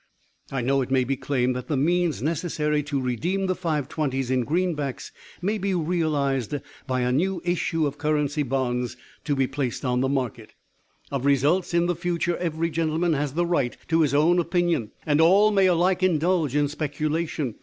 "I know it may be claimed, that the means necessary to redeem the Five twenties in greenbacks may be realized by a new issue of currency bonds to be placed on the market. Of results in the future every gentleman has the right to his own opinion, and all may alike indulge in speculation.